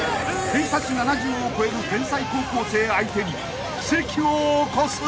［偏差値７０を超える天才高校生相手に奇跡を起こす！］